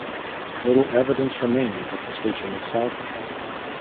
Little evidence remains of the station itself.